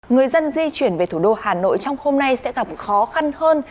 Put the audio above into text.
người dân di chuyển về thủ đô hà nội trong hôm nay sẽ gặp khó khăn hơn